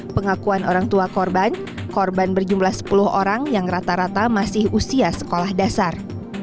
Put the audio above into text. pengakuan orang tua korban korban berjumlah sepuluh orang yang rata rata masih usia sekolah dasar